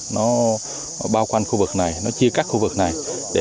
nó bao quanh khu vực này nó chia các khu vực này